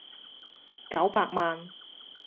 九百萬